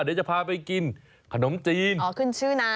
เดี๋ยวจะพาไปกินขนมจีนอ๋อขึ้นชื่อนะ